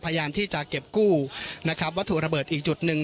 พยายามที่จะเก็บกู้นะครับวัตถุระเบิดอีกจุดหนึ่ง